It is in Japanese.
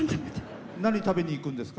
何食べに行くんですか？